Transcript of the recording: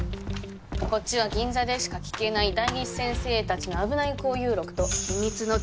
こっちは銀座でしか聞けない代議士先生たちの危ない交遊録と秘密の通話記録。